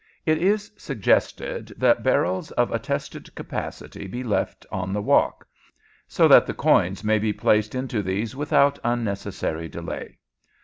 It is suggested that barrels of attested capacity be left on the walk, so that the coin may be placed into these without unnecessary delay.